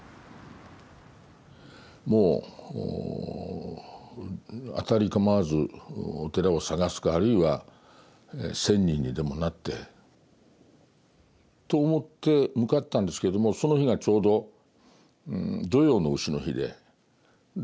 もう辺り構わずお寺を探すかあるいは仙人にでもなってと思って向かったんですけどもその日がちょうど土用の丑の日で。